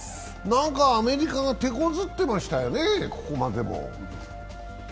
なんかアメリカが手こずってましたよね、ここまでも。